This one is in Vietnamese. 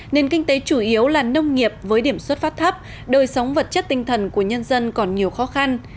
nền kinh tế chủ yếu là nông nghiệp với điểm xuất phát thấp đời sống vật chất tinh thần của nhân dân còn nhiều khó khăn